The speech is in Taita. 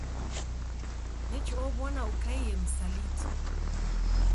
Nechi ow'ona ukaie msaliti